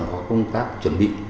thì bao giờ có công tác chuẩn bị